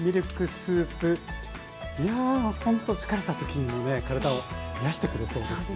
ほんと疲れた時にもね体を癒やしてくれそうですね。